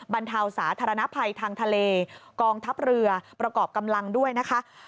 บรรเทาสาธารณภัยทางทะเลกองทัพเรือประกอบกำลังด้วยนะคะ